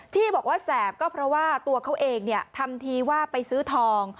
ที่บอกว่าแสบก็เพราะว่าตัวเขาเองทำทีว่าไปซื้อทอง